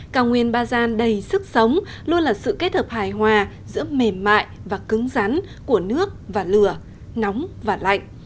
cào nguyên ba gian đầy sức sống luôn là sự kết hợp hài hòa giữa mềm mại và cứng rắn của nước và lửa nóng và lạnh